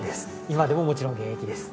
今でももちろん現役です。